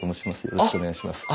よろしくお願いします。